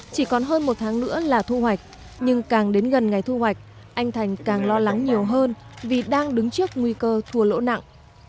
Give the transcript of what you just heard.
chỉ còn hơn một tháng nữa là thu hoạch nhưng càng đến gần ngày thu hoạch anh thành càng lo lắng nhiều hơn vì đang đứng trước nguy cơ thua lỗ nặng